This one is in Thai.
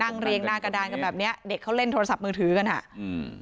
เรียงหน้ากระดานกันแบบเนี้ยเด็กเขาเล่นโทรศัพท์มือถือกันอ่ะอืม